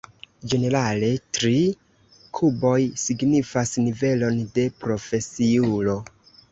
Ĝenerale, tri kuboj signifas nivelon de profesiulo.